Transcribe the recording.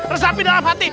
resapi dalam hati